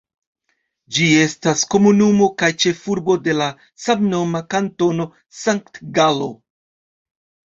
Ĝi estas komunumo kaj ĉefurbo de la samnoma Kantono Sankt-Galo.